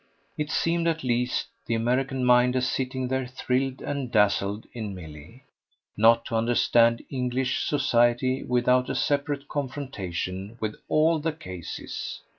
It seemed at least the American mind as sitting there thrilled and dazzled in Milly not to understand English society without a separate confrontation with ALL the cases.